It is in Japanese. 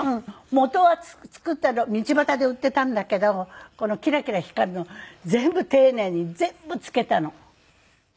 元は作ったのを道端で売ってたんだけどこのキラキラ光るの全部丁寧に全部付けたの。